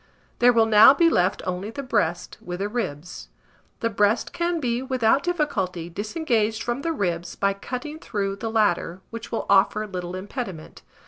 There will now be left only the breast, with the ribs. The breast can be, without difficulty, disengaged from the ribs by cutting through the latter, which will offer little impediment.